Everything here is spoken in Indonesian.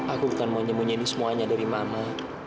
aku bukan mau nyembunyiin semuanya dari mama